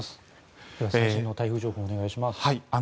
最新の台風情報をお願いします。